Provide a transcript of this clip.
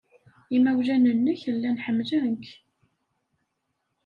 Imawlan-nnek llan ḥemmlen-k.